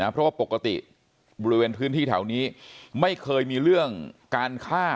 เพราะว่าปกติบริเวณพื้นที่แถวนี้ไม่เคยมีเรื่องการฆ่า